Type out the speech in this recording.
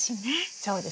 そうですね。